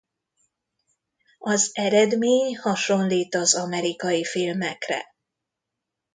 Az eredmény hasonlít az amerikai filmekre.